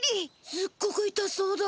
すっごくいたそうだ。